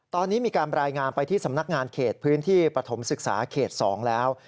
ตอนนี้มีการรายงานไปที่สำนักงานเขตพื้นที่ปฐมศึกษาเขต๒แล้ว